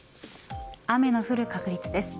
雨の降る確率です。